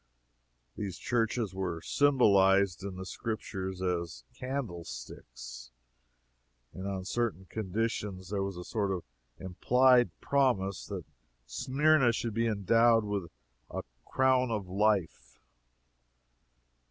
These churches were symbolized in the Scriptures as candlesticks, and on certain conditions there was a sort of implied promise that Smyrna should be endowed with a "crown of life."